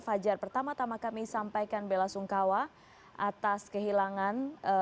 fajar pertama tama kami sampaikan bela sungkawa atas kehilangan